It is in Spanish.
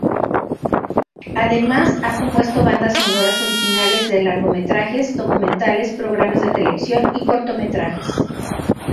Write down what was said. Además ha compuesto bandas sonoras originales de largometrajes, documentales, programas de televisión y cortometrajes.